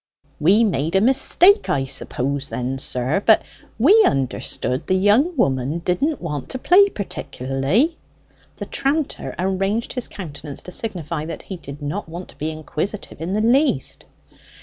"We made a mistake I suppose then, sir? But we understood the young woman didn't want to play particularly?" The tranter arranged his countenance to signify that he did not want to be inquisitive in the least.